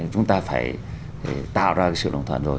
chúng ta phải tạo ra cái sự đồng thuận rồi